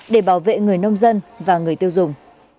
để bảo vệ người nông dân và người tiêu dùng